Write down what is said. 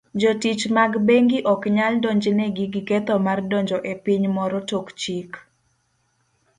Jotich mag bengi oknyal donjnegi gi ketho mar donjo e piny moro tok chik.